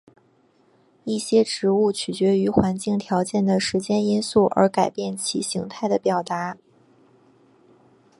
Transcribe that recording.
一些植物取决于环境条件的时间因素而改变其形态的表达。